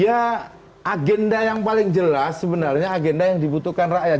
ya agenda yang paling jelas sebenarnya agenda yang dibutuhkan rakyat